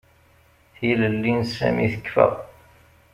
Tilelli n Sami tekfa.